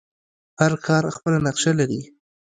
هر ښار خپله نقشه لري.